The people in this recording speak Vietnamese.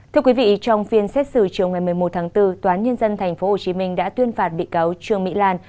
thưa quý vị trong phiên xét xử chiều một mươi một tháng bốn tnthh đã tuyên phạt bị cáo trương mỹ lan